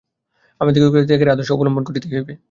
আমাদিগকে ত্যাগের আদর্শ অবলম্বন করিতেই হইবে।